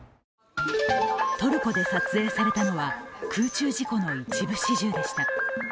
トルコで撮影されたのは空中事故の一部始終でした。